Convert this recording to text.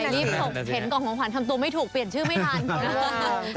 อันนี้เห็นกล่องของขวัญทำตัวไม่ถูกเปลี่ยนชื่อไม่ทัน